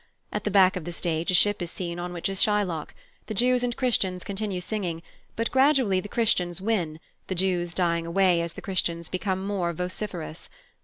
At the back of the stage a ship is seen on which is Shylock. The Jews and Christians continue singing, but gradually the Christians win, the Jews dying away as the Christians become more vociferous.